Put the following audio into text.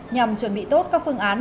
nhằm chuẩn bị tốt các phương án